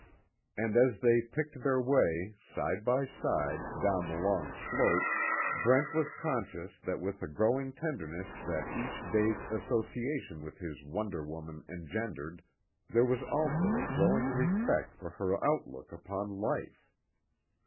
And as they picked their way, side by side, down the long slope, Brent was conscious that with the growing tenderness that each day's association with his wonder woman engendered, there was also a growing respect for her outlook upon life.